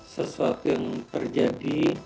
sesuatu yang terjadi